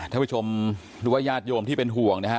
ท่านผู้ชมหรือว่าญาติโยมที่เป็นห่วงนะฮะ